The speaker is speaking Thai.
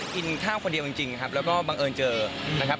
กินข้าวก็เดียวกันจริงแล้วก็บังเอิญเจอนะครับ